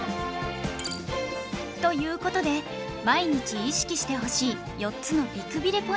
という事で毎日意識してほしい４つの美くびれポイント